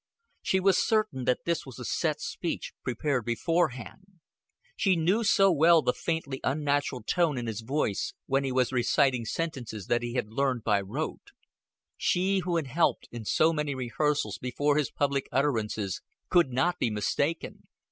She was certain that this was a set speech prepared beforehand. She knew so well the faintly unnatural note in his voice when he was reciting sentences that he had learned by rote: she who had helped in so many rehearsals before his public utterances could not be mistaken.